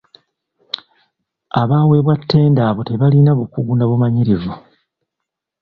Abaaweebwa ttenda abo tebaalina bukugu na bumanyirivu.